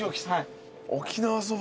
沖縄そば。